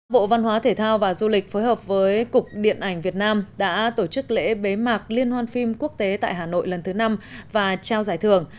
bộ văn hóa thể thao và du lịch phối hợp với cục điện ảnh việt nam đã tổ chức lễ bế mạc liên hoan phim quốc tế tại hà nội lần thứ năm và trao giải thưởng